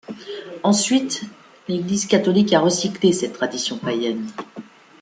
Ensuite l'église catholique, a recyclé cette tradition païenne.